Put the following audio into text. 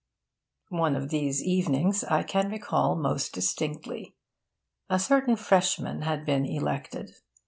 One of these evenings I can recall most distinctly. A certain freshman had been elected.